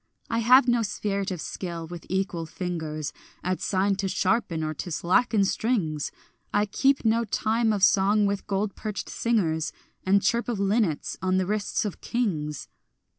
I have no spirit of skill with equal fingers At sign to sharpen or to slacken strings; I keep no time of song with gold perched singers And chirp of linnets on the wrists of kings.